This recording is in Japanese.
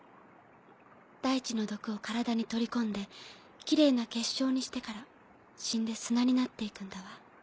大地の毒を体に取り込んできれいな結晶にしてから死んで砂になっていくんだわ。